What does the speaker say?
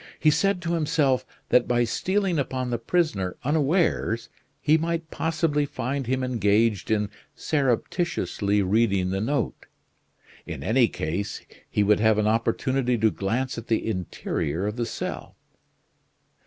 He said to himself that by stealing upon the prisoner unawares he might possibly find him engaged in surreptitiously reading the note. In any case, he would have an opportunity to glance at the interior of the cell.